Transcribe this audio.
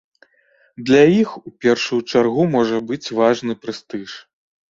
Для іх у першую чаргу можа быць важным прэстыж.